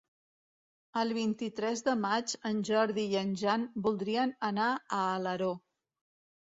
El vint-i-tres de maig en Jordi i en Jan voldrien anar a Alaró.